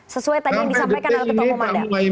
sesuai tanya yang disampaikan oleh tukung pumada